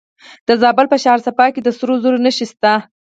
د زابل په شهر صفا کې د سرو زرو نښې شته.